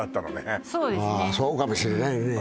そうかもしれないよね